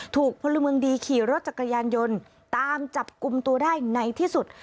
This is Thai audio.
พลเมืองดีขี่รถจักรยานยนต์ตามจับกลุ่มตัวได้ในที่สุด